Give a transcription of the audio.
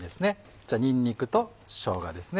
こちらにんにくとしょうがですね。